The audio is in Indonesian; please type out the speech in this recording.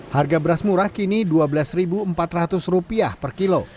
harga beras murah kini rp dua belas empat ratus per kilo